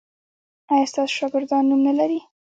ایا ستاسو شاګردان نوم نلري؟